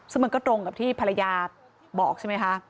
ซึ่งมันก็ตรงกับที่ภรรยาบอกใช่ไหมคะ